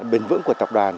bền vững của tập đoàn